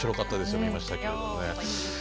見ましたけれどね。